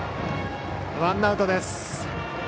ワンアウトです。